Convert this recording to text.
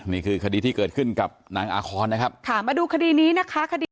นี่คือคดีที่เกิดขึ้นกับนางอาครจะดูคติศาสตร์นี้